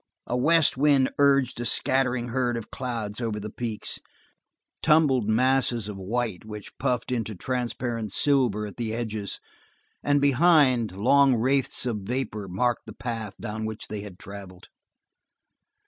A west wind urged a scattered herd of clouds over the peaks, tumbled masses of white which puffed into transparent silver at the edges, and behind, long wraiths of vapor marked the path down which they had traveled.